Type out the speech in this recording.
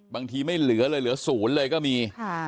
บางทีไม่เหลือเลยเหลือศูนย์เลยก็มี